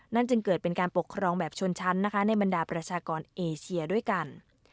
จึงเกิดเป็นการปกครองแบบชนชั้นนะคะในบรรดาประชากรเอเชียด้วยกัน